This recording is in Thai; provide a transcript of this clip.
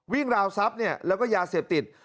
ราวทรัพย์แล้วก็ยาเสพติด